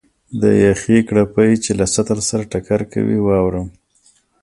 د یخې کړپی چې له سطل سره ټکر کوي، واورم.